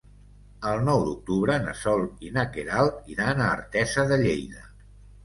El nou d'octubre na Sol i na Queralt iran a Artesa de Lleida.